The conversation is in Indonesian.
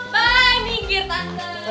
bye minggir tante